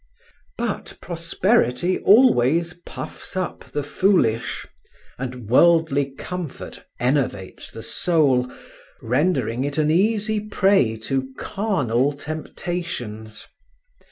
But prosperity always puffs up the foolish, and worldly comfort enervates the soul, rendering it an easy prey to carnal temptations.